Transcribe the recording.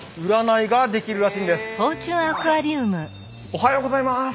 おはようございます。